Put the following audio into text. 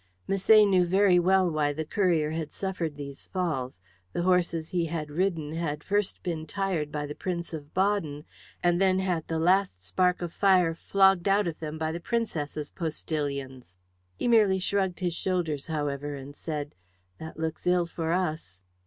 Misset knew very well why the courier had suffered these falls. The horses he had ridden had first been tired by the Prince of Baden, and then had the last spark of fire flogged out of them by the Princess's postillions. He merely shrugged his shoulders, however, and said, "That looks ill for us."